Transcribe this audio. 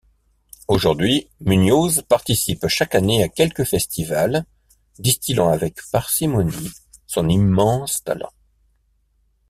Aujourd’hui, Muñoz participe chaque année à quelques festivals, distillant avec parcimonie son immense talent.